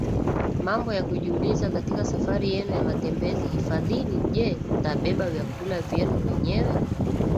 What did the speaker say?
Mambo ya kujiuliza katika safari yenu ya matembezi hifadhini Je mtabeba vyakula vyenu wenyewe